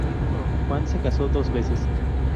Juan se casó dos veces.